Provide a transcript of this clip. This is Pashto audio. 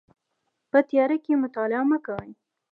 په تیاره کې مطالعه مه کوئ